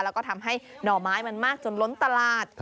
แล้วก็ทำให้หน่อไม้มันมากจนล้นตลาด